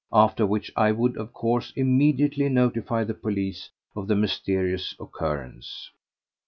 After which I would, of course, immediately notify the police of the mysterious occurrence.